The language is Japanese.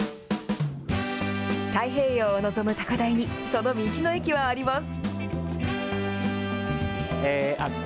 太平洋を望む高台に、その道の駅はあります。